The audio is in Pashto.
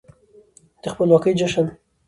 د خپلواکۍ جشن